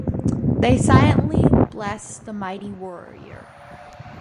They silently blessed the mighty warrior.